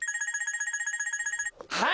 はい！